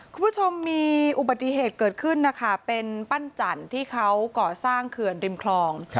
คุณผู้ชมมีอุบัติเหตุเกิดขึ้นนะคะเป็นปั้นจันทร์ที่เขาก่อสร้างเขื่อนริมคลอง